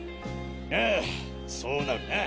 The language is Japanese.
ああそうなるな。